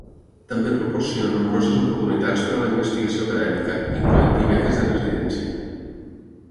També proporciona nombroses oportunitats per a la investigació acadèmica, incloent-hi beques de residència.